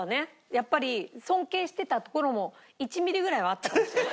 やっぱり尊敬してたところも１ミリぐらいはあったかもしれない。